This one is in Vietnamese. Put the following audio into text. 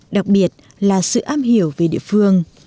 đặc biệt là sự ám hiểu về địa phương